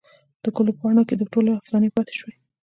دګلو پاڼوکې دټولو افسانې پاته شوي